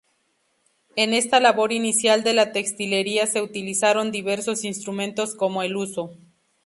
En esta labor inicial de la textilería se utilizaron diversos instrumentos como el huso.